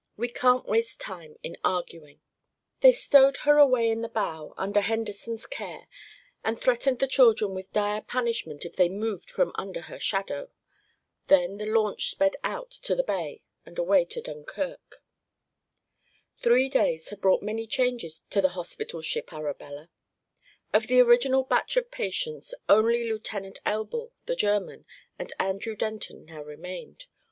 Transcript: "We can't waste time in arguing." They stowed her away in the bow, under Henderson's care, and threatened the children with dire punishment if they moved from under her shadow. Then the launch sped out into the bay and away toward Dunkirk. Three days had brought many changes to the hospital ship Arabella. Of the original batch of patients only Lieutenant Elbl, the German, and Andrew Denton now remained.